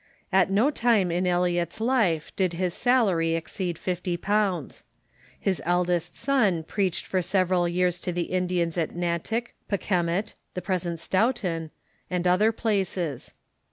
At no time in Eliot's life did his salary ex ceed fifty pounds. His eldest son preached for several years to the Indians at Natick, Pakemit, the present Stoughton, and other places.